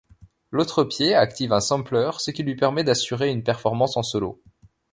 L'autre pied active un sampler, ce qui lui permet d'assurer une performance en solo.